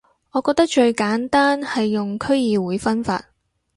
我覺得最簡單係用區議會分法